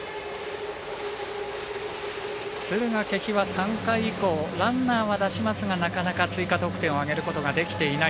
敦賀気比は３回以降ランナーは出しますがなかなか追加得点を挙げることができていない。